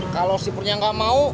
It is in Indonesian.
kalau sipurnya gak mau